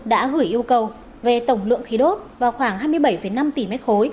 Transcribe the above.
đã gửi yêu cầu về tổng lượng khí đốt vào khoảng hai mươi bảy năm tỷ m ba